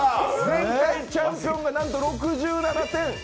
前回チャンピオンがなんと６７点。